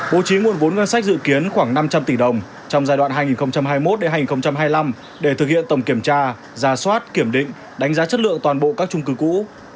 bố trí nguồn vốn ngân sách dự kiến khoảng năm trăm linh tỷ đồng trong giai đoạn hai nghìn hai mươi một hai nghìn hai mươi năm để thực hiện tổng kiểm tra giả soát kiểm định đánh giá chất lượng toàn bộ các trung cư cũ